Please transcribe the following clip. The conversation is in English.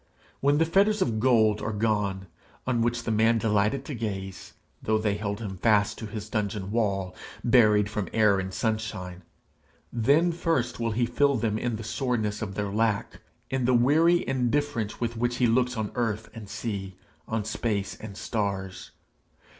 When the fetters of gold are gone, on which the man delighted to gaze, though they held him fast to his dungeon wall, buried from air and sunshine, then first will he feel them in the soreness of their lack, in the weary indifference with which he looks on earth and sea, on space and stars.